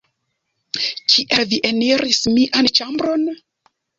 Kiel vi eniris mian ĉambron?